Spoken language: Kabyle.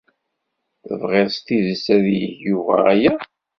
Tebɣiḍ s tidet ad ak-yeg Yuba aya?